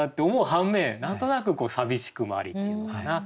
反面何となく寂しくもありっていうのかな。